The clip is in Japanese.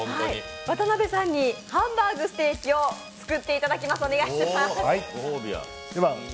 渡邊さんにハンバーグステーキを作っていただきます。